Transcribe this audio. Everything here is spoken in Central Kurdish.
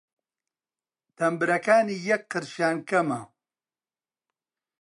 تەمبرەکانی یەک قرشیان کەمە!